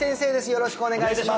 よろしくお願いします